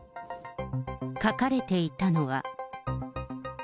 書かれていたのは。